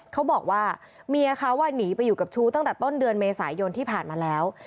เขาบอกว่าเมียเขาหนีไปอยู่กับชู้ตั้งแต่ต้นเดือนเมษายนที่ผ่านมาแล้ว